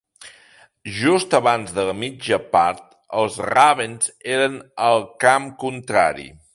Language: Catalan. Just abans de la mitja part, els Ravens eren a camp contrari.